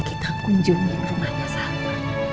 kita kunjungin rumahnya salma